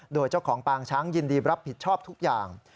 โดยเจ้าของปางช้างยินดีรับผิดชอบทุกอย่าง